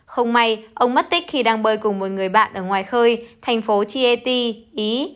không may ông mất tích khi đang bơi cùng một người bạn ở ngoài khơi thành phố chiet ý